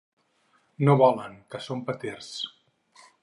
No volen, que són peters.